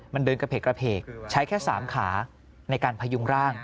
มันเดินกระเพกกระเพกใช้แค่๓ขาในการพยุงร่าง